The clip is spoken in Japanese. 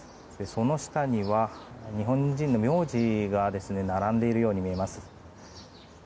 その下には日本人の名字が並んでいるように見えます。